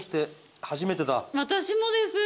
私もです。